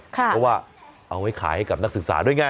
เพราะว่าเอาไว้ขายให้กับนักศึกษาด้วยไง